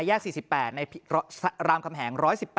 ๔๘ในรามคำแหง๑๑๘